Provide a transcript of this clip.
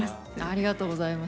ありがとうございます。